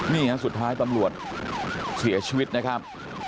นี่ฮะสุดท้ายตำรวจเสียชีวิตนะครับ